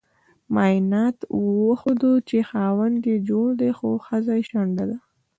معایناتو وخوده چې خاوند یي جوړ دې خو خځه شنډه ده